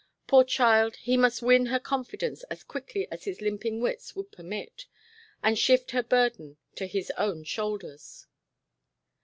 Poor child, he must win her confidence as quickly as his limping wits would permit and shift her burden to his own shoulders.